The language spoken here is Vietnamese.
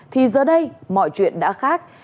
thì giờ đây mọi chuyện đã khác